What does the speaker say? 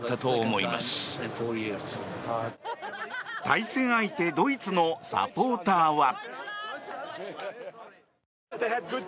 対戦相手ドイツのサポーターは。